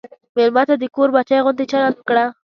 مېلمه ته د کور بچی غوندې چلند وکړه.